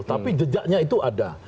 tapi jejaknya itu ada